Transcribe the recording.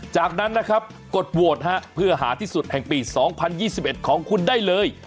จากนั้นนะครับกดโหวตเพื่อหาที่สุดแห่งปี๒๐๒๑ของคุณได้เลย